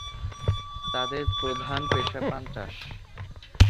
তাদের প্রধান পেশা পান চাষ।